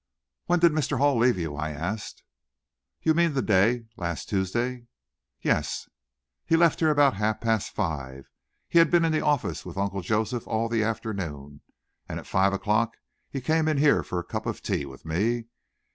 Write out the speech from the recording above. "When did Mr. Hall leave you?" I asked. "You mean the day last Tuesday?" "Yes?" "He left here about half past five. He had been in the office with Uncle Joseph all the afternoon, and at five o'clock he came in here for a cup of tea with me.